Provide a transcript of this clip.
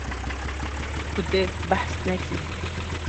Tu dê behs nekî.